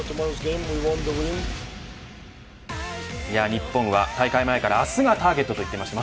日本は大会前から明日がターゲットと言ってました。